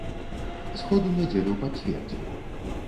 Сход у нядзелю пацвердзіў.